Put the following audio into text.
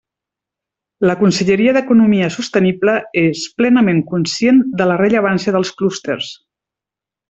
La Conselleria d'Economia Sostenible és plenament conscient de la rellevància dels clústers.